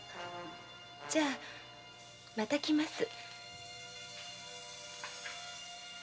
じゃまた来ます。